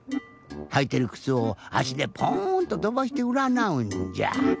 はいてるくつをあしでポーンととばしてうらなうんじゃ。